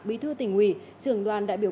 bí thư tỉnh hủy trường đoàn đại biểu